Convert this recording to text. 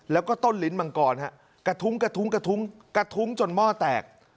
แล้วก็ต้นลิ้นมังกรกระทุ้งจนม่อแตก